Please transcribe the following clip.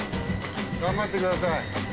頑張ってください。